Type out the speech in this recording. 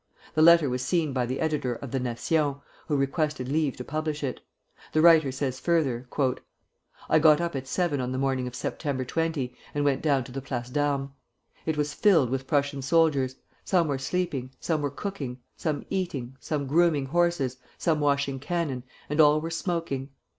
The letter was seen by the editor of the "Nation," who requested leave to publish it. The writer says further, "I got up at seven on the morning of September 20, and went down to the Place d'Armes. It was filled with Prussian soldiers; some were sleeping, some were cooking, some eating, some grooming horses, some washing cannon, and all were smoking.